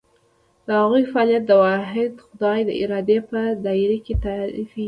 د هغوی فعالیت د واحد خدای د ارادې په دایره کې تعریفېږي.